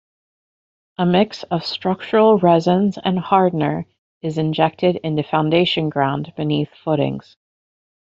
A mix of structural resins and hardener is injected into foundation ground beneath footings.